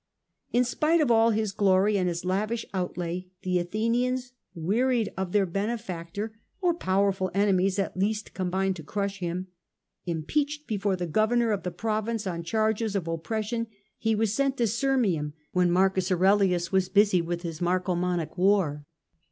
In spite of all his glory and his lavish outlay, the Athenians wearied of their benefactor, or powerful enemies at least combined to crush him. Impeached before the governor of the province on charges of oppres sion, he was sent to Sirmium when Marcus Aurelius was busy with his Marcomannic war.